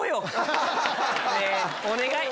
お願い！